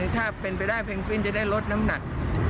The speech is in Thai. ถ้าเป็นไปได้เพนกวินจะได้ลดน้ำหนัก